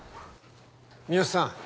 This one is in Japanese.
三好さん